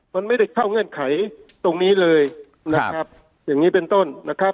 มันไม่ได้เข้าเงื่อนไขตรงนี้เลยนะครับอย่างนี้เป็นต้นนะครับ